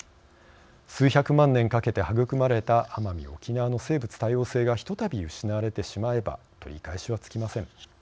数百万年かけて育まれた奄美・沖縄の生物多様性がひとたび失われてしまえば取り返しはつきません。